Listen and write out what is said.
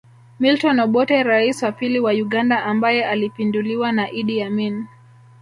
Milton Obote Rais wa pili wa Uganda ambaye alipinduliwa na Idi Amin